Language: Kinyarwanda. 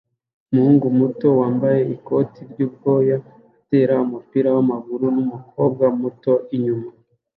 Umuhungu muto wambaye ikoti ryubwoya atera umupira wamaguru numukobwa muto inyuma